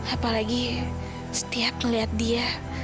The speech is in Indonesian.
apalagi setiap melihat dia